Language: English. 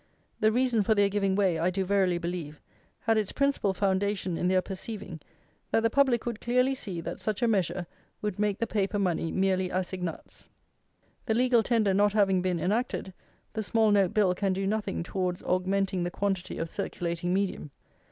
The reason for their giving way, I do verily believe, had its principal foundation in their perceiving, that the public would clearly see, that such a measure would make the paper money merely assignats. The legal tender not having been enacted, the Small note Bill can do nothing towards augmenting the quantity of circulating medium.